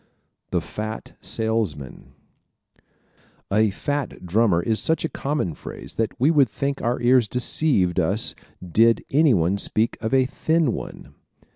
The Fat Salesman ¶ "A fat drummer" is such a common phrase that we would think our ears deceived us did anyone speak of a thin one.